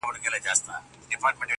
ماسومان حيران ولاړ وي چوپ تل,